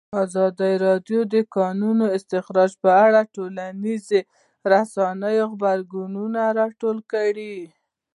ازادي راډیو د د کانونو استخراج په اړه د ټولنیزو رسنیو غبرګونونه راټول کړي.